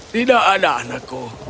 tidak ada anakku